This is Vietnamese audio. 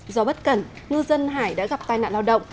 do bất cẩn ngư dân hải đã gặp tai nạn lao động